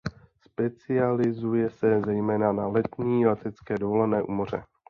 Specializuje se zejména na letní letecké dovolené u moře.